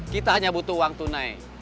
kita hanya butuh uang tunai